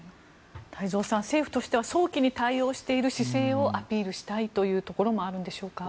太蔵さん、政府としては早期に対応している姿勢をアピールしたいところもあるんでしょうか。